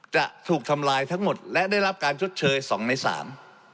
จะถูกทำลายทั้งหมดและได้รับการชดเชยสองในสาม